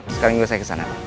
sekarang ini saya kesana